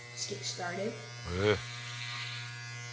えっ。